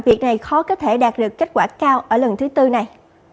việc này khó có thể đạt được kết quả cao ở lần thứ tư này